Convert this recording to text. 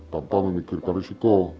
tanpa memikirkan risiko